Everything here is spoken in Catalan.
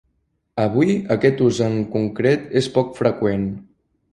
Avui aquest ús en concret és poc freqüent.